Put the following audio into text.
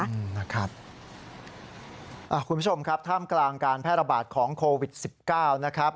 คุณผู้ชมครับท่ามกลางการแพร่ระบาดของโควิดสิบเก้านะครับ